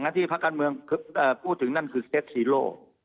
อย่างนั้นที่ภาคการเมืองพูดถึงนั่นคือเซ็ตซีโร่